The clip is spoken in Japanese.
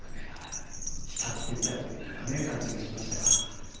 浸っていたという感じがしましたが。